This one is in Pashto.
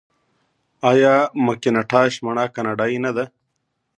آیا مکینټاش مڼه کاناډايي نه ده؟